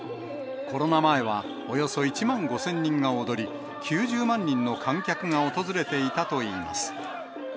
コロナ前はおよそ１万５０００人が踊り、９０万人の観客が訪れていたといいます。